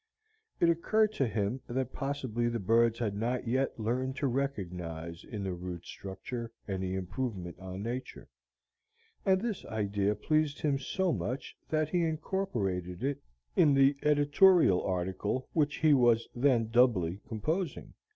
It occurred to him that possibly the birds had not yet learned to recognize in the rude structure any improvement on nature, and this idea pleased him so much that he incorporated it in the editorial article which he was then doubly composing.